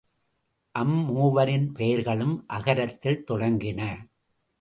அம் மூவரின் பெயர்களும் அகரத்தில் தொடங்கின.